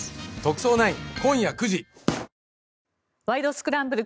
スクランブル」